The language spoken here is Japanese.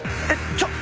ちょっ。